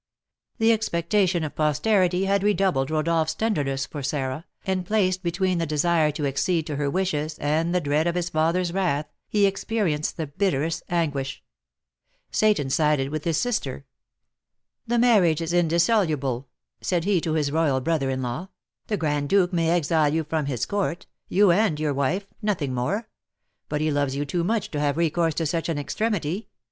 The expectation of posterity had redoubled Rodolph's tenderness for Sarah, and, placed between the desire to accede to her wishes and the dread of his father's wrath, he experienced the bitterest anguish. Seyton sided with his sister. "The marriage is indissoluble," said he to his royal brother in law; "the Grand Duke may exile you from his court, you and your wife, nothing more; but he loves you too much to have recourse to such an extremity.